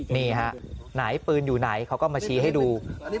นี่ฮะไหนปืนอยู่ไหนเขาก็มาชี้ให้ดู